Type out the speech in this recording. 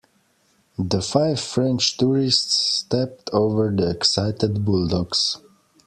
The five French tourists stepped over the excited bulldogs.